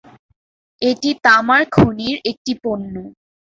এটি তামার খনির একটি পণ্য।